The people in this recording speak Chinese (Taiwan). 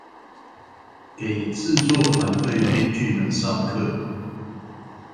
給製作團隊編劇們上課